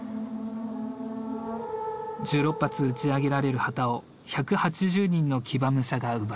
１６発打ち上げられる旗を１８０人の騎馬武者が奪い合う。